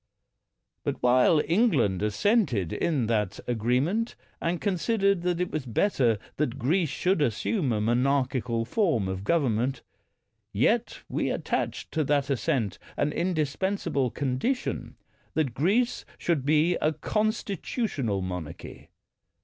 But while England assented to that arrange ment, and considered that it was better that Greece should assume a monarchical form of government, yet we attached to that assent an indispensable condition that Greece should be a constitutional monarchy.